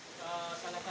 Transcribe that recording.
tidak jauh dari hak marshal